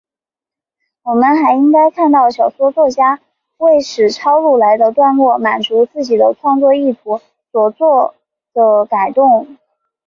我们还应该看到小说作者为使抄录来的段落满足自己的创作意图所作的改动。